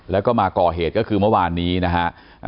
แล้วก็มาก่อเหตุก็คือเมื่อวานนี้นะฮะ